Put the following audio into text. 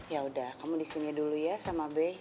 yaudah kamu di sini dulu ya sama be